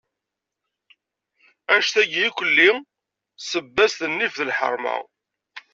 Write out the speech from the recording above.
Anect-agi irkelli, sebba-s d nnif d lḥerma.